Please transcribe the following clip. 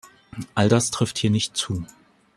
All das trifft hier nicht zu.